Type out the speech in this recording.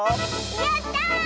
やった！え？